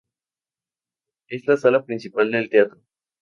Es la sala principal del teatro.